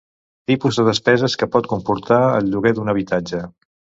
Tipus de despeses que pot comportar el lloguer d'un habitatge.